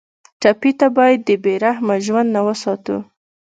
ټپي ته باید د بې رحمه ژوند نه وساتو.